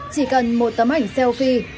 chỉ cần một tấm ảnh selfie